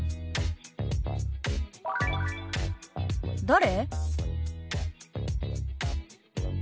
「誰？」。